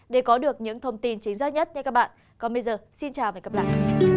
xin chào và hẹn gặp lại